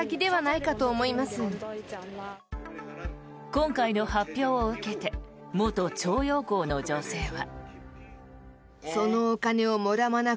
今回の発表を受けて元徴用工の女性は。